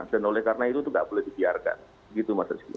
dan oleh karena itu tidak boleh dibiarkan